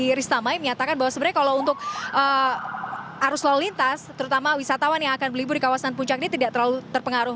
ristamai menyatakan bahwa sebenarnya kalau untuk arus lalu lintas terutama wisatawan yang akan berlibur di kawasan puncak ini tidak terlalu terpengaruh